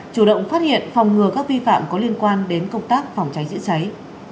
chủ động phát hiện phòng ngừa các vi phạm có liên quan đến công tác phòng cháy chữa cháy